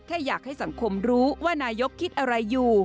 แค่อยากให้สังคมรู้ว่านายกคิดอะไรอยู่